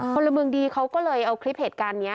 พลเมืองดีเขาก็เลยเอาคลิปเหตุการณ์นี้